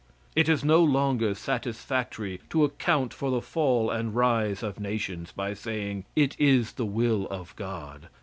It is no longer satisfactory to account for the fall and rise of nations by saying, "It is the will of God."